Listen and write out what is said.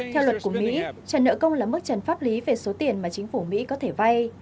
theo luật của mỹ trả nợ công là mức trần pháp lý về số tiền mà chính phủ mỹ có thể vay